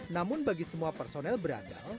namun bagi semua personel beragam